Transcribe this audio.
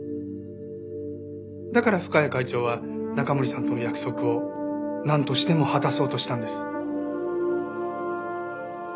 だから深谷会長は中森さんとの約束をなんとしても果たそうとしたんです。